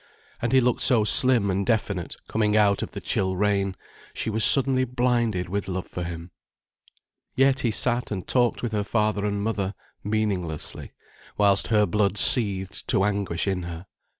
And he looked so slim and definite, coming out of the chill rain, she was suddenly blinded with love for him. Yet he sat and talked with her father and mother, meaninglessly, whilst her blood seethed to anguish in her.